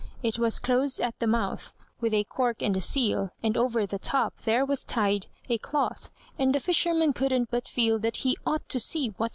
It was closed at the mouth with a cork and a seal, And over the top there was tied A cloth, and the fisherman couldn't but feel That he ought to see what was inside.